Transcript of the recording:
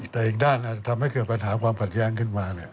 แต่อีกด้านอาจจะทำให้เกิดปัญหาความขัดแย้งขึ้นมา